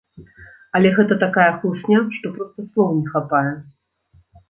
Але гэта такая хлусня, што проста слоў не хапае.